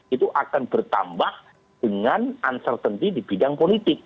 itu akan bertambah dengan uncertainty di bidang politik